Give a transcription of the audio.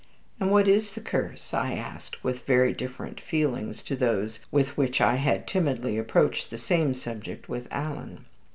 "And what is the curse?" I asked, with very different feelings to those with which I had timidly approached the same subject with Alan.